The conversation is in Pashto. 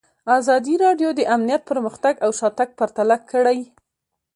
ازادي راډیو د امنیت پرمختګ او شاتګ پرتله کړی.